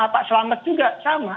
pak selamat juga sama